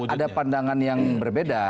ada pandangan yang berbeda